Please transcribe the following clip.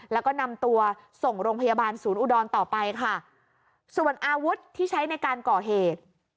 แล้วก็นำตัวส่งโรงพยาบาลศูนย์อุดรต่อไปค่ะส่วนอาวุธที่ใช้ในการก่อเหตุ